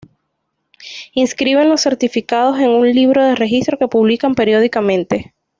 Inscriben los certificados en un libro de registro que publican periódicamente.